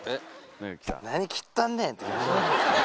「何切っとんねん」ってきました